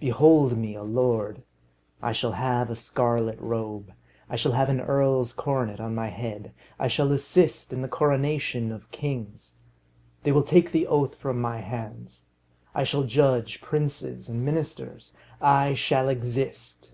Behold me a lord! I shall have a scarlet robe. I shall have an earl's coronet on my head. I shall assist at the coronation of kings. They will take the oath from my hands. I shall judge princes and ministers. I shall exist.